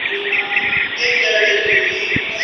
پټ راته مغان په لنډه لار کي راته وویل